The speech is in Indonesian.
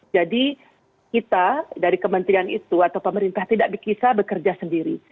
jadi kita dari kementerian itu atau pemerintah tidak bisa bekerja sendiri